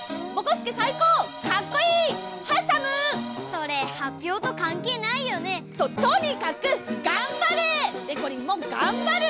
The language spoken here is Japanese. それはっぴょうとかんけいないよね？ととにかくがんばれ！でこりんもがんばる！